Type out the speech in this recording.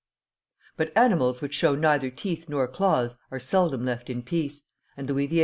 _ But animals which show neither teeth nor claws are seldom left in peace, and Louis XVIII.'